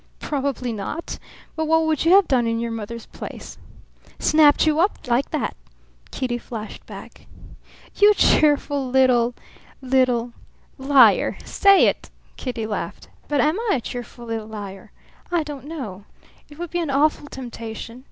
"Probably not! But what would you have done in your mother's place?" "Snapped you up like that!" Kitty flashed back. "You cheerful little little " "Liar. Say it!" Kitty laughed. "But am I a cheerful little liar? I don't know. It would be an awful temptation.